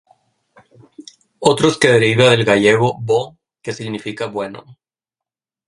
Otros que deriva del gallego "bo" que significa bueno.